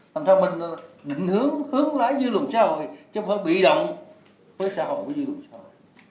làm sao mình định hướng hướng lái dư luận xã hội chứ không phải bị động với xã hội với dư luận xã hội